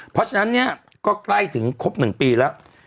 เพราะฉะนั้นเนี่ยก็ใกล้ถึงครบ๑ปีแล้ว